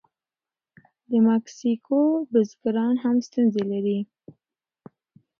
د مکسیکو بزګران هم ستونزې لري.